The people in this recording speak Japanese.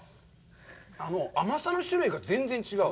甘さの種類が全然違う。